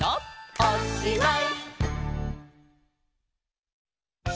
「おしまい！」